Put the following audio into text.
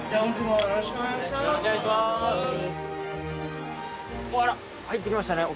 よろしくお願いします・あら！